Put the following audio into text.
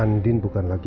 jadi pagi lagi